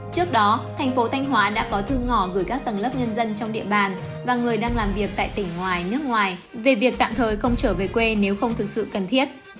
trước đó thành phố thanh hóa đã có thư ngỏ gửi các tầng lớp nhân dân trong địa bàn và người đang làm việc tại tỉnh ngoài nước ngoài về việc tạm thời không trở về quê nếu không thực sự cần thiết